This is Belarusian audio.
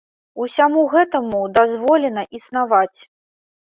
Усяму гэтаму дазволена існаваць.